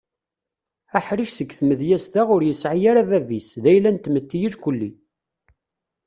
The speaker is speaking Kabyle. Aḥric seg tmedyaz-a ur yesɛi ara bab-is d ayla n tmetti irkeli.